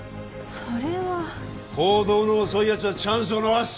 それは行動の遅いヤツはチャンスを逃す